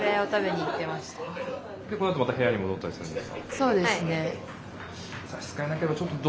そうですね。